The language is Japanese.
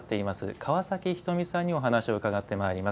川崎仁美さんにお話を伺ってまいります。